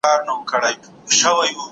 زه به مړۍ خوړلي وي؟!